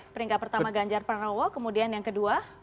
peringkat pertama ganjar pranowo kemudian yang kedua